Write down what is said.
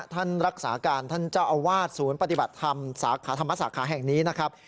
ท่านรักษาการท่านเจ้าอาวาสศูนย์ปฏิบัติธรรมสาขาธรรมสาขาแห่งนี้นะครับ